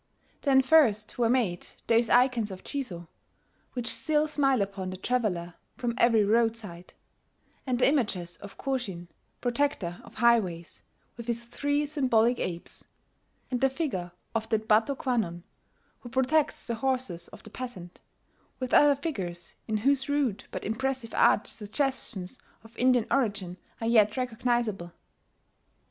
Then first were made those icons of Jizo, which still smile upon the traveller from every roadside, and the images of Koshin, protector of highways, with his three symbolic Apes, and the figure of that Bato Kwannon, who protects the horses of the peasant, with other figures in whose rude but impressive art suggestions of Indian origin are yet recognizable.